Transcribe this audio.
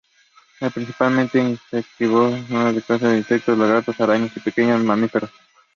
Es principalmente insectívoro, su dieta incluye insectos, lagartos, arañas y pequeños mamíferos.